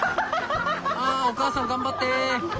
あお母さん頑張って。